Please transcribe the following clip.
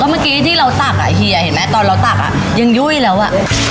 โหเมื่อกี้ที่เราตักเห็นมั้ยตอนเราตักยังยุ่ยแล้วอ่ะ